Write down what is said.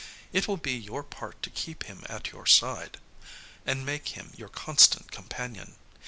It will be your part to keep him at your side, and make him your constant companion.